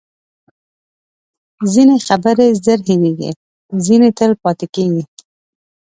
ځینې خبرې زر هیرېږي، ځینې تل پاتې کېږي.